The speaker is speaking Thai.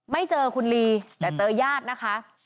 ไม่เจอคุณลีแต่เจอญาตินะคะ